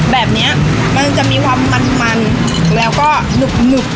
แบบเนี้ยมันจะมีความมันมันแล้วก็หนึบหนึบ